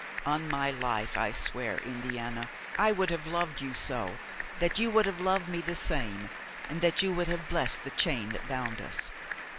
On my life I swear, Indiana, I would have loved you so that you would have loved me the same and that you would have blessed the chain that bound us.